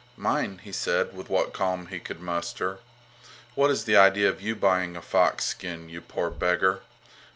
Mine, he said, with what calm he could muster. What is the idea of you buying a fox skin, you poor beggar?